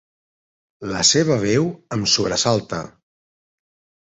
La seva veu em sobresalta.